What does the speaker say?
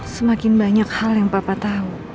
semakin banyak hal yang papa tahu